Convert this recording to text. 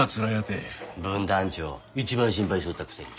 分団長一番心配しとったくせに。